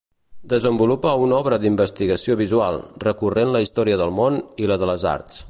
Desenvolupa una obra d'investigació visual, recorrent la història del món i la de les Arts.